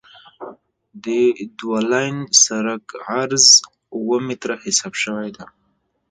د دوه لاین سرک عرض اوه متره محاسبه شوی دی